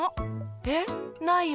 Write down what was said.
えっ？ないよ。